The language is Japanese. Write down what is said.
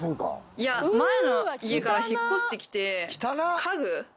いや前の家から引っ越してきて。